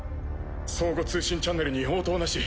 相互通信チャンネルに応答なし。